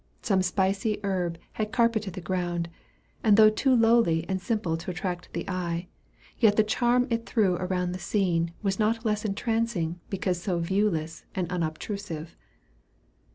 Some spicy herb had carpeted the ground, and though too lowly and simple to attract the eye, yet the charm it threw around the scene was not less entrancing because so viewless and unobtrusive.